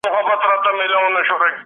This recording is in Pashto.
د جزيې د اخيستلو شرايط سته دي.